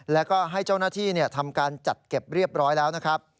แล้วก็ให้เจ้าหน้าที่ทำการจัดเก็บเรียบร้อยแล้วนะครับ